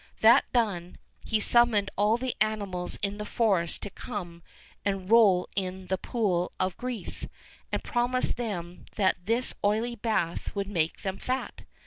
That done, he summoned all the animals in the forest to come and roll in the pool of grease, and promised them that this oily bath would make them fat.